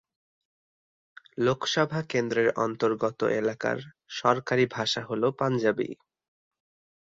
লোকসভা কেন্দ্রের অন্তর্গত এলাকার সরকারি ভাষা হল পাঞ্জাবি।